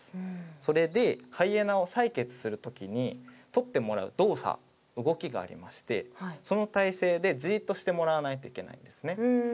それでハイエナを採血する時にとってもらう動作動きがありましてその体勢でじっとしてもらわないといけないんですね。